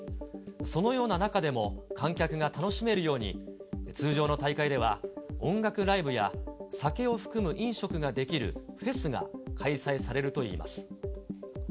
そのような中でも、観客が楽しめるように、通常の大会では、音楽ライブや、酒を含む飲食ができるフェスが開催されるといいます。